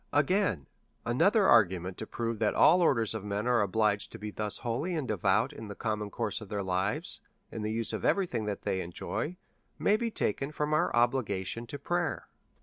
Again, another argument to prove that all orders of men are obliged to be thus holy and devout in the com mon course of their lives, in the use of every thing that they enjoy, may be taken from our obligation to prayer.